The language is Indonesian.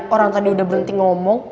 orang tadi udah berhenti ngomong